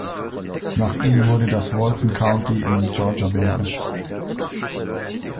Nach ihm wurde das Walton County in Georgia benannt.